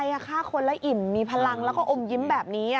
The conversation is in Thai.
อะไรอ่ะฆ่าคนและอิ่มมีพลังแล้วก็อมยิ้มแบบนี้